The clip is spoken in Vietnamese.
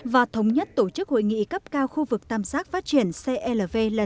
và thống nhất tổ chức hội nghị cấp cao khu vực tam sát phát triển clv lần thứ một mươi hai tại vương quốc campuchia